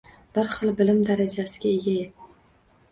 Bir xil bilim darajasiga ega.